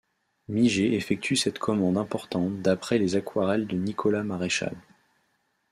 Miger effectue cette commande importante d'après les aquarelles de Nicolas Maréchal.